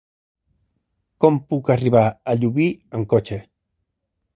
Com puc arribar a Llubí amb cotxe?